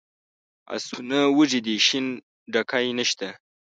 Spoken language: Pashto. آسونه وږي دي شین ډکی نشته.